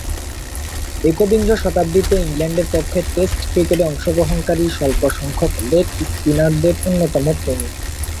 একবিংশ শতাব্দীতে ইংল্যান্ডের পক্ষে টেস্ট ক্রিকেটে অংশগ্রহণকারী স্বল্পসংখ্যক লেগ স্পিনারদের অন্যতম তিনি।